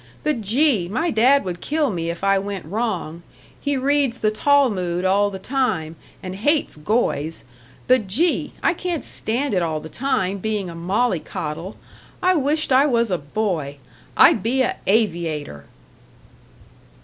But gee! my dad would kill me if I went wrong. He reads the Talmud all the time, and hates Goys. But gee! I can't stand it all the time being a mollycoddle. I wisht I was a boy! I'd be a' aviator."